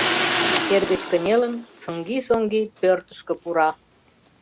Тер гыч кынелын, сыҥги-соҥги пӧртышкӧ пура.